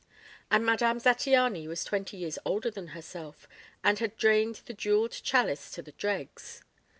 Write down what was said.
And Madame Zattiany was twenty years older than herself, and had drained the jewelled chalice to the dregs.